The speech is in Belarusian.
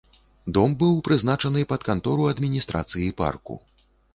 Дом быў прызначаны пад кантору адміністрацыі парку.